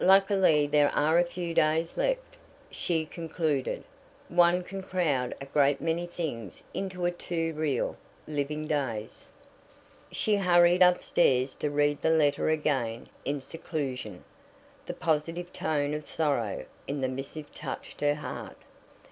"Luckily there are a few days left," she concluded "One can crowd a great many things into two real, living days." She hurried upstairs to read the letter again in seclusion. The positive tone of sorrow in the missive touched her heart.